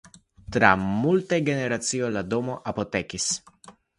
Tra multaj generacioj la domo apotekis.